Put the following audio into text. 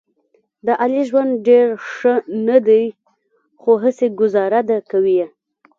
د علي ژوند ډېر ښه نه دی، خو هسې ګوزاره ده کوي یې.